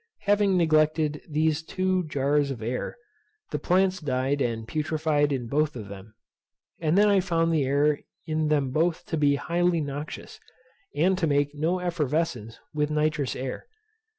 Having neglected these two jars of air, the plants died and putrefied in both of them; and then I found the air in them both to be highly noxious, and to make no effervescence with nitrous air.